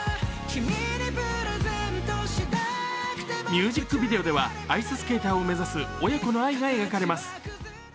ミュージックビデオではアイススケーターを目指す親子の愛が描かれます。